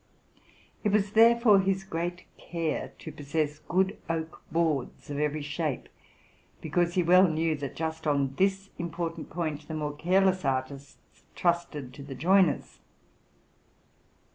It was therefore his great care to possess good oak boards, of every shape; because he well knew that just on this important point the more careless artists trusted to the joiners.